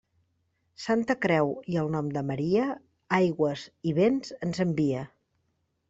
Santa Creu i el nom de Maria, aigües i vents ens envia.